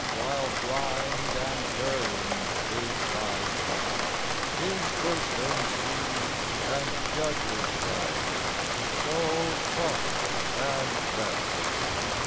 While blind and erring is thy sight, His wisdom sees and judges right, So Trust and Rest.